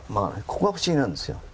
ここが不思議なんですよ。